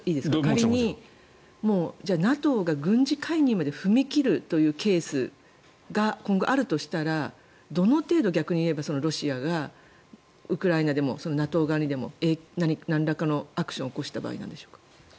仮にＮＡＴＯが軍事介入まで踏み切るというケースが今後あるとしたらどの程度、逆に言えばロシアがウクライナでもＮＡＴＯ側にでもなんらかのアクションを起こした場合でしょうか。